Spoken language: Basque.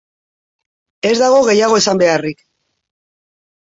Ez dago gehiago esan beharrik.